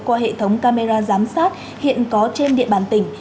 qua hệ thống camera giám sát hiện có trên địa bàn tỉnh